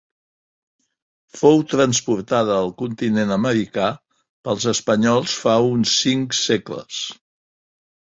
Fou transportada al continent americà pels espanyols fa uns cinc segles.